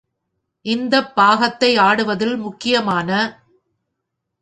இந்தப் பாகத்தை ஆடுவதில் முக்கியமான.